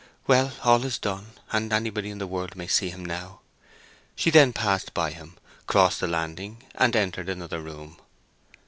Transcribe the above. Well, all is done, and anybody in the world may see him now." She then passed by him, crossed the landing, and entered another room.